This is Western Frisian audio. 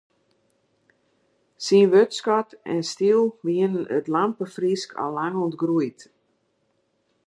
Syn wurdskat en styl wiene it lampefrysk allang ûntgroeid.